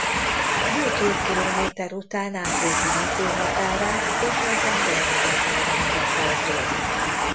Bő két kilométer után átlépi Makó határát és egyben délnyugati irányba fordul.